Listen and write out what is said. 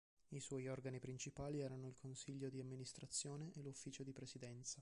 I suoi organi principali erano il consiglio di amministrazione e l'ufficio di presidenza.